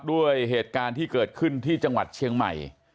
ด้วยเหตุการณ์ที่เกิดขึ้นที่จังหวัดเชียงใหม่